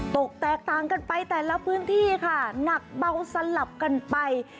ตกแตกต่างกันไปแต่ละพื้นที่ค่ะหนักเบาสลับกันไป